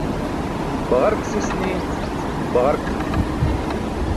Baġark sis niin baġark ce tʰumuk.